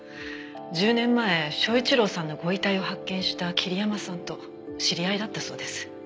１０年前昭一郎さんのご遺体を発見した桐山さんと知り合いだったそうです。